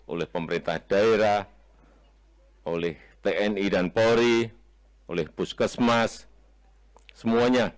oleh pemerintah daerah oleh tni dan polri oleh puskesmas semuanya